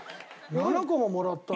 ７個ももらったの？